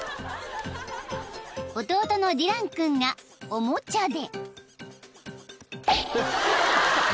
［弟のディラン君がおもちゃで］